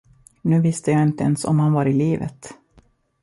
Nu visste jag inte ens om han var i livet.